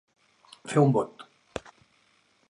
Fer un bot.